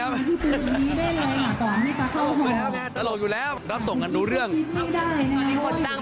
ฟังเสียง